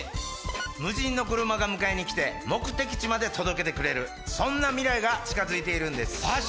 無人の車が迎えに来て目的地まで届けてくれるそんな未来が近づいているんですマジ